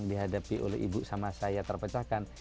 dihadapi oleh ibu sama saya terpecahkan